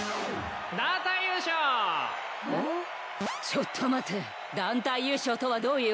ちょっと待て団体優勝とはどういうことじゃ。